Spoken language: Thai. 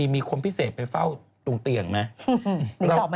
มีคนพิเศษไปเฝ้าตรงเตียงไหม